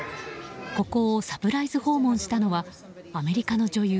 ここをサプライズ訪問したのはアメリカの女優